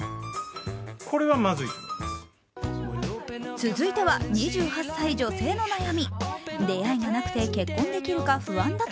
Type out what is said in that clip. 続いては２８歳女性の悩み。